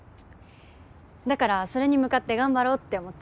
だからそれに向かって頑張ろうって思って。